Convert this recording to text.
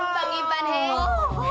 bang iban hei